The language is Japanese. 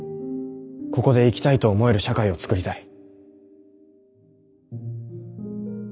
ここで生きたいと思える社会を創りたい。